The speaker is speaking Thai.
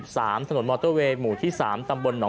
ถนนมอเตอร์เวย์หมู่ที่สามตำบลหอ